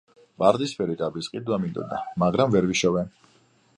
ვარდისფერი კაბის ყიდვა მინდოდა, მაგრამ ვერ ვიშოვე.